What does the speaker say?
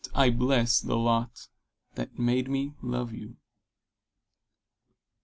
I bless the lot that made me love you.